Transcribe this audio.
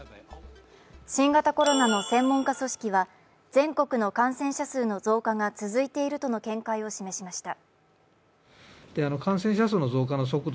新型コロナの専門家組織は全国の感染者数の増加が続いているとの見解を示しました。